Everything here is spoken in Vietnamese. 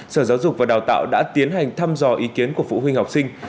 sở giáo dục và đào tạo đã tiến hành thăm dò ý kiến của phụ huynh học sinh